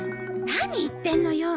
何言ってんのよ！